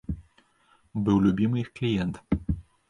Быў любімы іх кліент.